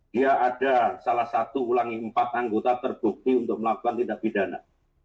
dia ada salah satu ulangi empat anggota terbukti untuk melakukan tindak pidana